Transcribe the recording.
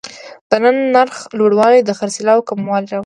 د نرخ لوړوالی د خرڅلاو کموالی راولي.